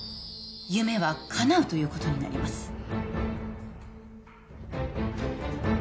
夢はかなうということになります